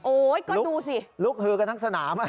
ก็ดูสิลุกฮือกันทั้งสนาม